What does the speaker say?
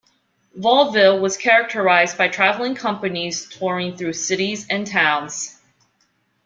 Vaudeville was characterized by traveling companies touring through cities and towns.